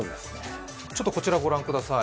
ちょっとこちらをご覧ください。